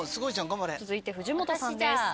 続いて藤本さんです。